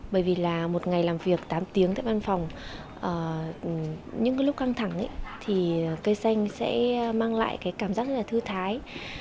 bởi vì là một ngày làm việc tám tiếng tại văn phòng những lúc căng thẳng thì cây xanh sẽ mang lại cái cảm giác rất là thư thái